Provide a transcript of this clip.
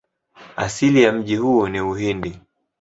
Asili ya mti huu ni Uhindi.